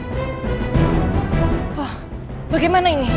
kamu patas mendapatkan pelajaran